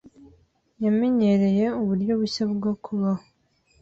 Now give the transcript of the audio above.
Yamenyereye uburyo bushya bwo kubaho.